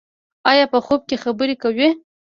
ایا په خوب کې خبرې کوئ؟